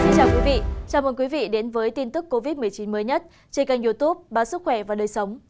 chào mừng quý vị đến với tin tức covid một mươi chín mới nhất trên kênh youtube bán sức khỏe và đời sống